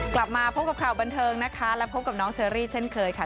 กลับมาพบกับข่าวบันเทิงนะคะและพบกับน้องเชอรี่เช่นเคยค่ะ